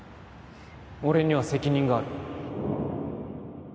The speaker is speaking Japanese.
俺には責任がある